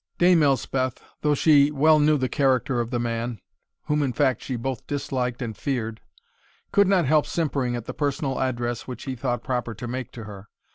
Dame Elspeth, though she well knew the character of the man, whom in fact she both disliked and feared, could not help simpering at the personal address which he thought proper to make to her.